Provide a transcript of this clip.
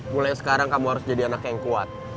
mulai sekarang kamu harus jadi anak yang kuat